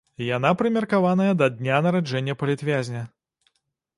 Яна прымеркаваная да дня нараджэння палітвязня.